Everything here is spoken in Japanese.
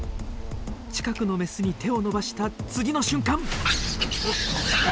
近くのメスに手を伸ばした次の瞬間！